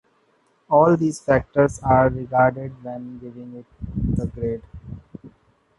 All these factors are regarded when giving it the grade.